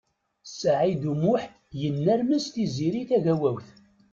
Saɛid U Muḥ yennermes Tiziri Tagawawt.